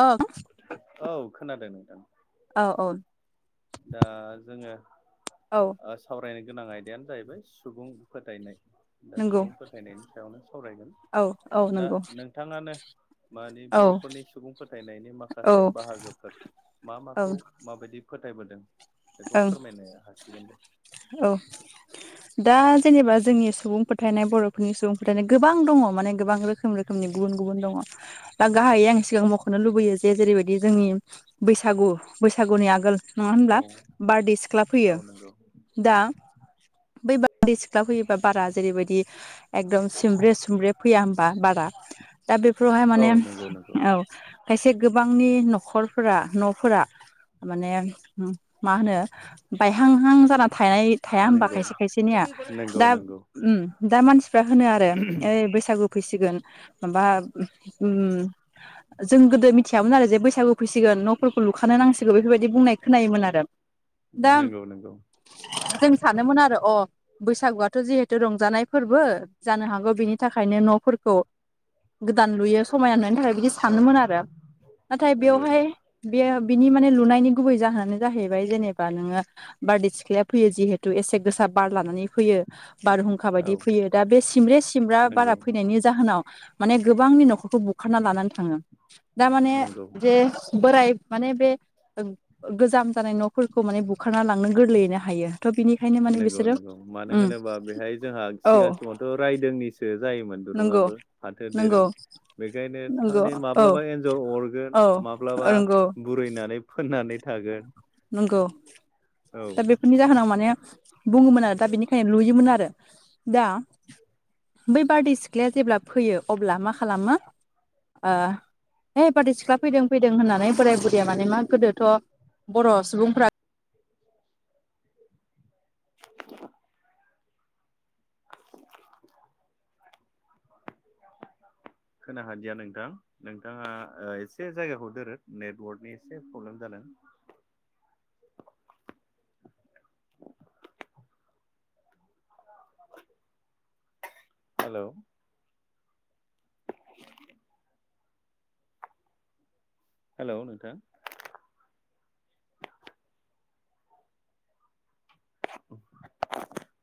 ओं औ खोनादों नोंथां औ-औ दा जोङो औ सावरायनो गोनां आयदायानो जाहैबाय सुबुं फोथायनाय दा नंगौ सुबुं फोथायनायनि सायावनो सावरायगोन औ औ दा नंगौ नोंथाङानो मानि औ बर'फोरनि सुबुं फोथायनायनि माखासे ओं बाहागोफोर मा माखौ माबायदि फोथायबोदों बेखौ ओं फोरमायनो हासिगोन दे औ दा जेनेबा जोंनि सुबुं फोथायनाय बर'फोरनि सुबुं फोथायनाय गोबां दङ माने गोबां रोखो रोखोम रोखोमनि गुबुन गुबुन दङ दा गाहायै आं सिगां मख'नो लुबैयो जे जेरैबायदि जोंनि बैसागु बैसागुनि आगोल नङा औ होनब्ला बारदै सिख्ला फैयो औ नंगौ दा बै बारदै सिख्ला फैयोबा बारा जेरैबायदि एकदम सिमब्रे सोमब्रे फैया होमबा बारा दा बेफोरावहाय औ माने नंगौ नंगौ औ खायसे गोबांनि न'खरफोरा न'फोरा माने मा होनो बायहांहां जाना थानाय थाया होमबा खायसे खायसेनिया नंगौ नंगौ दा ओम दा मानसिफ्रा होनो आरो ओइ बैसागु फैसिगोन माबा जों गोदो मिथियामोन आरो जे बैसागु फैसिगोन न'फोरखौ लुखानो नांसिगौ बेफोरबायदि बुंनाय खोनायोमोन आरो दा नंगौ नंगौ जों सानोमोन आरो अ बैसागुआथ' जिहेथु रंजानाय फोरबो जानो हागौ बिनि थाखायनो न'फोरखौ गोदान लुयो समायना नुनो थाखाय बिदि नंगौ औ सानोमोन आरो नाथाय नंगौ बेवहाय बेयो बिनि माने लुनायनि गुबै जाहोनानो जाहैबाय जेनेबा नोङो बारदै सिख्लाया फैयो जिहेतु एसे गोसा बार लानानै फैयो बारहुंखा औ बायदि फैयो दा बे सिमब्रे सिमब्रा नंगौ बारा फैनायनि जाहोनाव माने गोबांनि न'खरखौ बुखारना लानानै थाङो दामाने नंगौ जे बोराय माने बे गोजाम जानाय न'फोरखौ माने बुखारना लांनो गोरलैयैनो हायो थ' बिनिखायनो माने नंगौ बिसोरो नंगौ मानो उम होनोबा बेहाय जोंहा औ सिगां समावथ' रायदोंनि जायोमोन नंगौ दुरुंङाबो फाथो नंगौ दिरुं बेखायनो नंगौ थारमानानि औ माब्लाबा एन्जर अरगोन औ माब्लाबा नंगौ बुरैनानै फोननानै थागोन नंगौ औ दा बेफोरनि जाहोनाव माने बुङोमोन आरो दा बेनिखायनो लुयोमोन आरो दा बै बारदै सिख्लाया जेब्ला फैयो अब्ला मा खालामो है बारदै सिख्ला फैदों फैदों होननानै बोराय बुरैया माने मा गोदोथ' बर' सुबुंफ्रा [inaudible] [inaudible] खोनाहादिया नोंथां नोंथाङा एसे जायगाखौ दोरोद नेटवर्कनि एसे प्रब्लेम जादों [inaudible] हेल' [inaudible] हेल' नोंथां [inaudible]